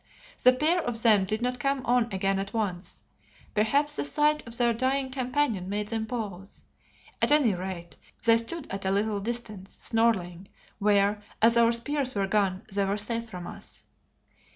The pair of them did not come on again at once. Perhaps the sight of their dying companion made them pause. At any rate, they stood at a little distance snarling, where, as our spears were gone, they were safe from us.